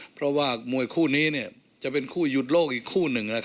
เพราะว่ามวยคู่นี้จะเป็นคู่หยุดโลกอีกคู่หนึ่ง